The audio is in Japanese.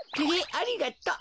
ありがと。